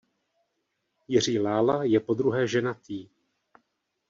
Jiří Lála je podruhé ženatý.